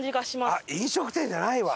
あっ飲食店じゃないわ。